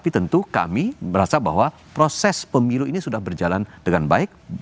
tapi tentu kami merasa bahwa proses pemilu ini sudah berjalan dengan baik